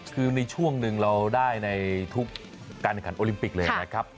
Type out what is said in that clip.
คือในช่วงหนึ่งเราได้ในทุกการแข่งขันโอลิมปิกเลยนะครับ